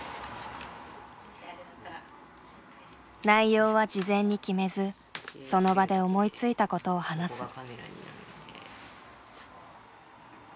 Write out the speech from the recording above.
内容は事前に決めずその場で思いついたことを話す。